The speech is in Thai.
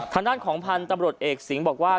ทางด้านของพันธุ์ตำรวจเอกสิงห์บอกว่า